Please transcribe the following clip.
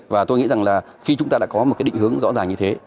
và tôi nghĩ rằng là khi chúng ta đã có một cái định hướng rõ ràng như thế